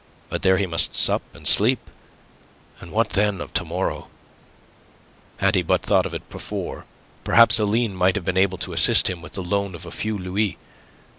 But there he must sup and sleep; and what, then, of to morrow? Had he but thought of it before, perhaps Aline might have been able to assist him with the loan of a few louis.